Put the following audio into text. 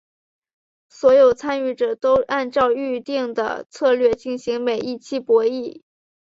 所有参与者都按照预定的策略进行每一期博弈。